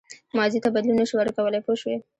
ماضي ته بدلون نه شو ورکولای پوه شوې!.